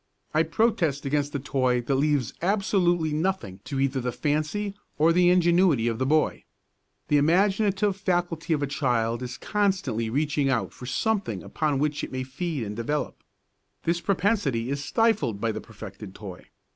I protest against the toy that leaves absolutely nothing to either the fancy or the ingenuity of the boy. The imaginative faculty of a child is constantly reaching out for something upon which it may feed and develop. This propensity is stifled by the perfected toy.